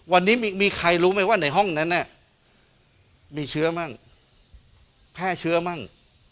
วันนี้มีใครรู้ไหมว่าในห้องนั้นมีเชื้อมั่งแพร่เชื้อมั่ง